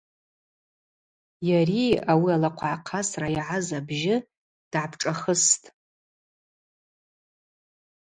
Йари ауи алахъвгӏахъасра йгӏаз абжьы дгӏапшӏахыстӏ.